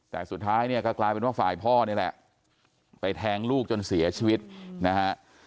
แต่สุดท้ายเนี่ยก็กลายเป็นว่าฝ่ายพ่อนี่แหละไปแทงลูกจนเสียชีวิตนะฮะ